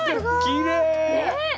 きれい！ね。